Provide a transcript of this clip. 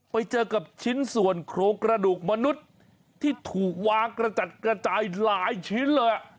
ไปเจอกับชิ้นส่วนโครงกระดูกมนุษย์ที่ถูกวางกระจัดกระจายหลายชิ้นเลย